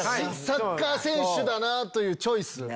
サッカー選手だなというチョイス。